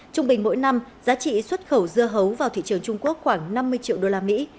trung bình mỗi năm giá trị xuất khẩu dưa hấu vào thị trường trung quốc khoảng năm mươi triệu đô la mỹ